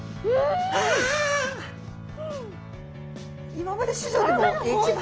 今まで史上でも一番。